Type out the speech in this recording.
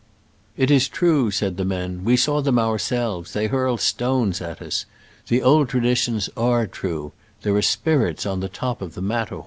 " It is true," said the men. "We saw them ourselves — they hurled stones at us ! The old traditions are true — there are spirits on the top of the Matterhorn